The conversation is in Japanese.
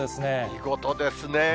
見事ですね。